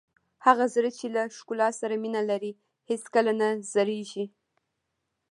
هغه زړه چې له ښکلا سره مینه لري هېڅکله نه زړیږي.